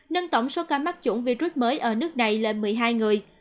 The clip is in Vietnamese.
nâng tổng số ca mắc chủng virus mới ở nước này lên một mươi hai người